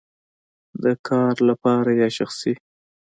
د کار لپاره یا شخصی؟